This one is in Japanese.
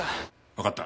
わかった。